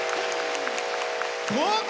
合格！